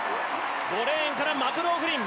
５レーンからマクローフリン